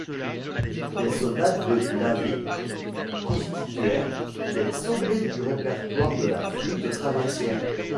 Les sonates de Blavet constituèrent des sommets du répertoire de la flûte traversière.